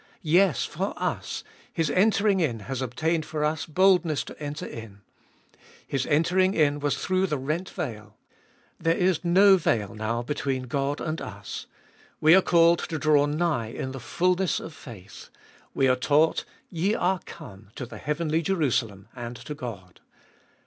Yes, for us, His entering in has obtained for us boldness to enter in. His entering in was through the rent veil ; there is no veil now between God and us. We are called to draw nigrh in o the fulness of faith. We are taught, Ye are come to the heavenly Jerusalem, and to God.